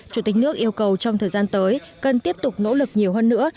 chủ tịch nước yêu cầu trong thời gian tới cần tiếp tục nỗ lực nhiều hơn nữa